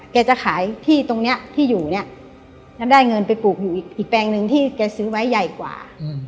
แกจะขายที่ตรงนี้ที่อยู่เนี่ยแล้วได้เงินไปปลูกอยู่อีกแปลงหนึ่งที่แกซื้อไว้ใหญ่กว่า